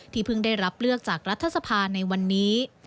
เพิ่งได้รับเลือกจากรัฐสภาในวันนี้